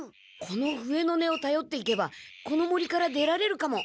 この笛の音をたよっていけばこの森から出られるかも！